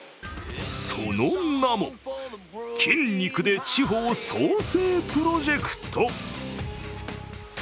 その名も、筋肉で地方創生プロジェクト。